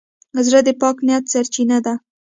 زړه د پاک نیت سرچینه ده.